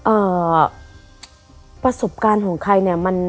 เอ่อประสบการณ์ของใครเนี่ยมัน